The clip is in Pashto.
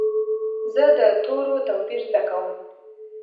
زه د تورو توپیر زده کوم.